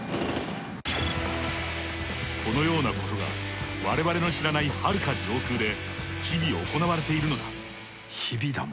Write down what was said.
このようなことが我々の知らないはるか上空で日々行われているのだ。